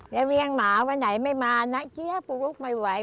เลี้ยงหมาวันไหนไม่มานะเกี้ยปลูกลุกไม่ไหว